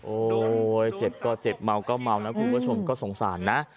เจ็บก็เจ็บเมาก็เมานะคุณผู้ชมก็สงสารนะ